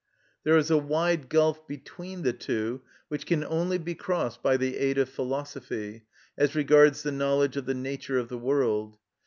There is a wide gulf between the two, which can only be crossed by the aid of philosophy, as regards the knowledge of the nature of the world.